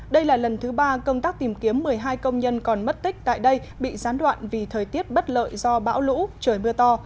đây là lần thứ ba công tác tìm kiếm một mươi hai công nhân còn mất tích tại đây bị gián đoạn vì thời tiết bất lợi do bão lũ trời mưa to